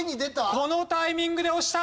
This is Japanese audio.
このタイミングで押した！